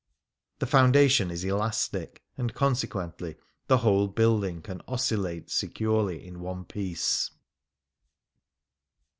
The foundation is elastic, and 48 The Grand Canal consequently the whole building can oscillate securely in one piece.